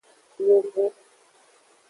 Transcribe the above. Yovo.